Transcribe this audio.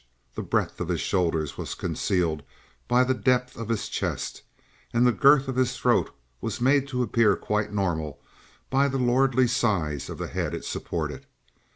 The breadth of his shoulders was concealed by the depth of his chest; and the girth of his throat was made to appear quite normal by the lordly size of the head it supported.